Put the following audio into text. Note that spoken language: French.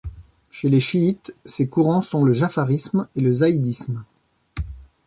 Chez les chiites, ces courants sont le jafarisme et le zaïdisme.